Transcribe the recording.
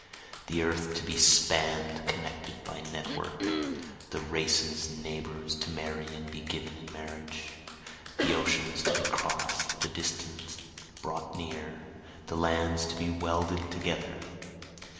The earth to be spann'd, connected by network, The races, neighbors, to marry and be given in marriage, The oceans to be cross'd, the distant brought near, The lands to be welded together.